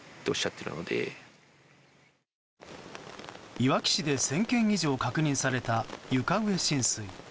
いわき市で１０００軒以上確認された床上浸水。